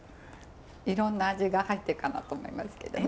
いろんな味が入ってるかなと思いますけどね。